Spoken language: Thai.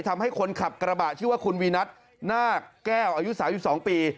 ทำให้คนขับกระบะชื่อว่าคุณวีนัทนาคแก้วอายุ๓๒ปี